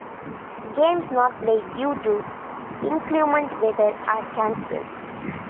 Games not played due to inclement weather are canceled.